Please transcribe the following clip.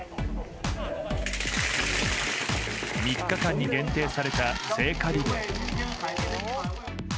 ３日間に限定された聖火リレー。